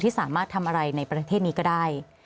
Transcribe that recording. สามารถทำอะไรในประเทศนี้ก็ได้